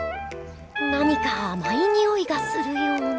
何かあまいにおいがするような。